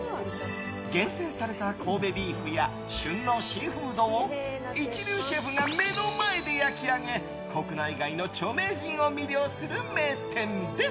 厳選された神戸ビーフや旬のシーフードを一流シェフが目の前で焼き上げ国内外の著名人を魅了する名店。